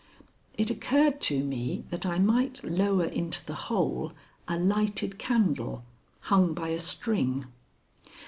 It occurred to me that I might lower into the hole a lighted candle hung by a string.